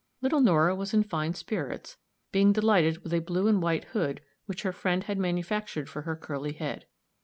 Little Nora was in fine spirits, being delighted with a blue and white hood which her friend had manufactured for her curly head.